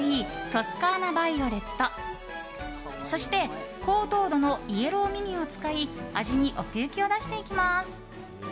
トスカーナバイオレットそして、高糖度のイエローミミを使い味に奥行きを出していきます。